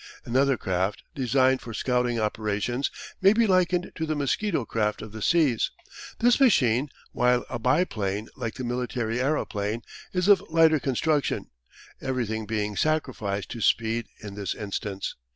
Another craft, designed for scouting operations, may be likened to the mosquito craft of the seas. This machine, while a biplane like the military aeroplane, is of lighter construction, everything being sacrificed to speed in this instance.